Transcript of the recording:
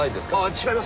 違います。